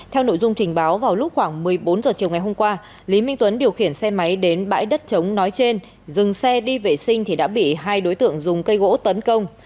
theo nội dung trình báo vào lúc khoảng một mươi bốn h chiều ngày hôm qua lý minh tuấn điều khiển xe máy đến bãi đất trống nói trên dừng xe đi vệ sinh thì đã bị hai đối tượng dùng cây gỗ tấn công